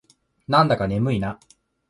なんだか眠いな。